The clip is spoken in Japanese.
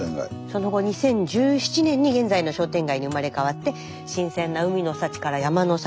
その後２０１７年に現在の商店街に生まれ変わって新鮮な海の幸から山の幸